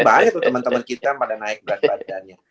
bahaya tuh temen temen kita pada naik berat badannya